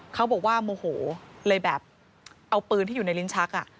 เขาบอกว่าโมโหเลยแบบเอาปืนที่อยู่ในลิ้นชัก